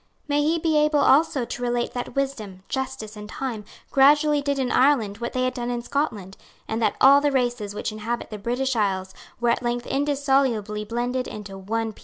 May he be able also to relate that wisdom, justice and time gradually did in Ireland what they had done in Scotland, and that all the races which inhabit the British isles were at length indissolubly blended into one people!